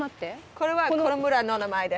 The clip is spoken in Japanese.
これはこの村の名前です。